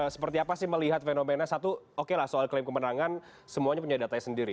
seperti apa sih melihat fenomena satu oke lah soal klaim kemenangan semuanya punya datanya sendiri